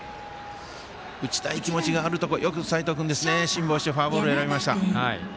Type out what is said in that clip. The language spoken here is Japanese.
打ちたい気持ちがあるところよく齋藤君、辛抱してフォアボール選びました。